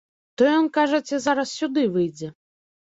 То ён, кажаце, зараз сюды выйдзе.